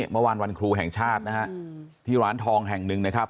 เมื่อวานวันครูแห่งชาตินะฮะที่ร้านทองแห่งหนึ่งนะครับ